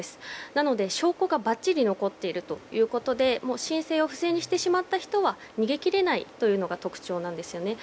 なので証拠がばっちり残っているということで申請を不正にしてしまった人は逃げきれないということが特徴なんですね。